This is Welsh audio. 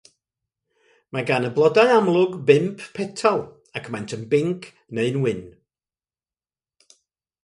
Mae gan y blodau amlwg bump petal, ac maent yn binc neu'n wyn.